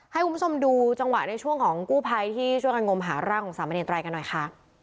ให้คุณผู้ชมดูจังหวะในช่วงของกู้ภัยที่ช่วยกันงมหาร่างของสามเณรกันหน่อยค่ะ